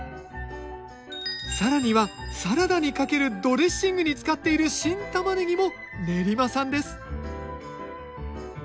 更にはサラダにかけるドレッシングに使っている新たまねぎも練馬産です